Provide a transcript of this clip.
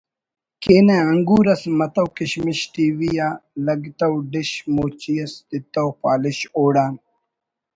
کینہ: انگور اس متو کشمش ٹی وی آ لگتو ڈش موچی اس تتو پالش اوڑان